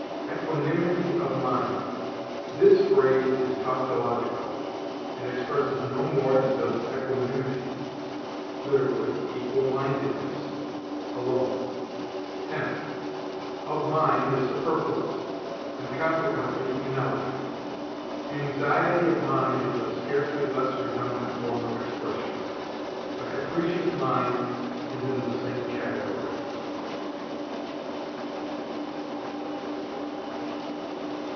EQUANIMITY OF MIND. This phrase is tautological, and expresses no more than does equanimity (literally, "equalmindedness") alone; hence, of mind is superfluous, and consequently inelegant. Anxiety of mind is a scarcely less redundant form of expression. A capricious mind is in the same category.